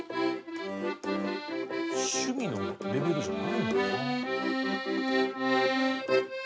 趣味のレベルじゃないもんな。